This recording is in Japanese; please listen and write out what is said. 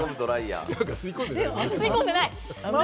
吸い込んでない。